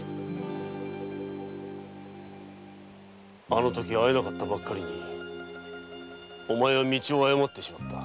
あの時会えなかったばっかりにお前は道を誤ってしまった。